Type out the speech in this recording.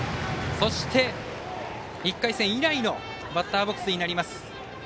そして、１回戦以来のバッターボックスになります